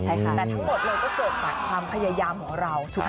แต่ทั้งหมดเราก็เกิดจากความพยายามของเรา